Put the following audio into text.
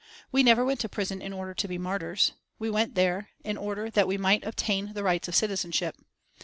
We never went to prison in order to be martyrs. We went there in order that we might obtain the rights of citizenship.